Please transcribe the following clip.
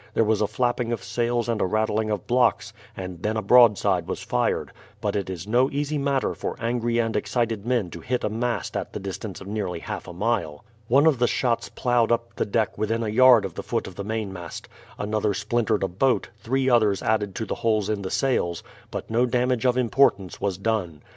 There was a flapping of sails and a rattling of blocks, and then a broadside was fired; but it is no easy matter for angry and excited men to hit a mast at the distance of nearly half a mile. One of the shots ploughed up the deck within a yard of the foot of the mainmast, another splintered a boat, three others added to the holes in the sails, but no damage of importance was done.